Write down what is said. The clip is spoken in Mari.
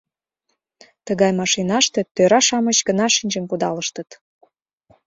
Тыгай машинаште тӧра-шамыч гына шинчын кудалыштыт.